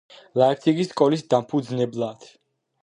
ლაიფციგის სკოლის დამფუძნებლად.